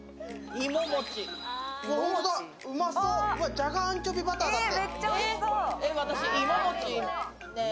じゃがアンチョビバターだって。